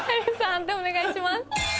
判定お願いします。